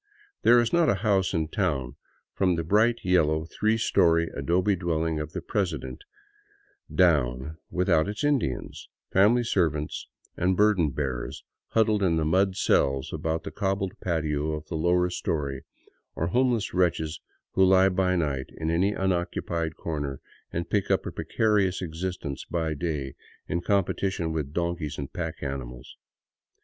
There is not a house in town, from the bright yellow, three story adobe dwelling of the president down, without its Indians, —• lamily servants and burden bearers huddled in the mud cells about the cobbled patio of the lower story, or homeless wretches who lie by night in any unoccupied corner and pick up a precarious existence by day in competition with donkeys and pack animals.